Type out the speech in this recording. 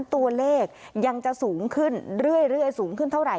ตัวเลขยังจะสูงขึ้นเรื่อยสูงขึ้นเท่าไห